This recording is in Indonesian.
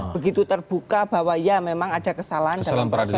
begitu terbuka bahwa ya memang ada kesalahan dalam proses